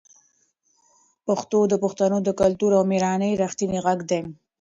پښتو د پښتنو د کلتور او مېړانې رښتینې غږ ده.